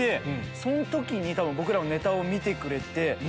そん時に僕らのネタを見てくれて。